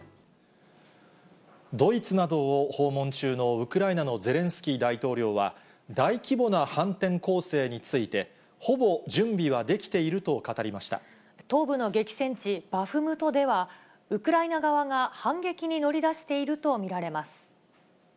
ドイツなどを訪問中のウクライナのゼレンスキー大統領は、大規模な反転攻勢について、ほぼ準備はできていると語りまし東部の激戦地バフムトでは、ウクライナ側が反撃に乗り出していると見られます。